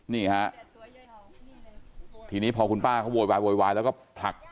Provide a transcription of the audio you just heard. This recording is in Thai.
นี่ฮะทีนี้พอคุณป้าโวยวายแล้วก็ผลัก